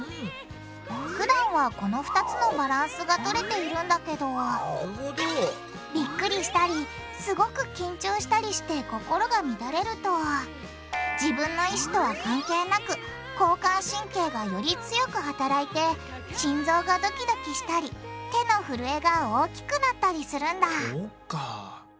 ふだんはこの２つのバランスがとれているんだけどびっくりしたりすごく緊張したりして心が乱れると自分の意思とは関係なく交感神経がより強くはたらいて心臓がドキドキしたり手のふるえが大きくなったりするんだそうか。